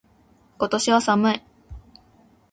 今年は寒い。